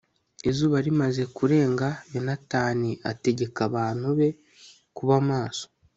izuba rimaze kurenga yonatani ategeka abantu be kuba maso